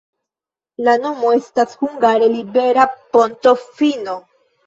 La nomo estas hungare libera-ponto-fino.